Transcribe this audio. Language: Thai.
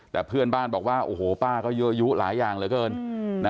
แต่เพื่อนบ้านบอกว่าโอ้โหป้าก็เยอะยุหลายอย่างเหลือเกิน